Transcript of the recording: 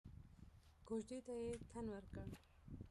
کوژدې ته يې تن ورکړ.